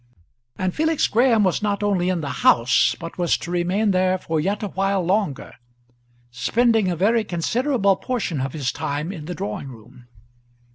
And Felix Graham was not only in the house, but was to remain there for yet a while longer, spending a very considerable portion of his time in the drawing room.